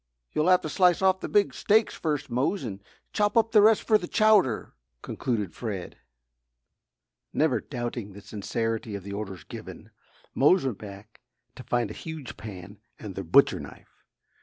"You'll have to slice off the big steaks first, Mose, and chop up the rest for the chowder," concluded Fred. Never doubting the sincerity of the orders given, Mose went back to find a huge pan and the butcher knife.